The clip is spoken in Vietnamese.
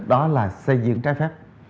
đó là xây dựng trái phép